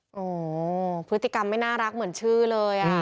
โอ้โหพฤติกรรมไม่น่ารักเหมือนชื่อเลย